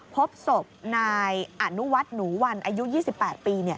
พบศพนายอนุวัฒน์หนูวันอายุ๒๘ปี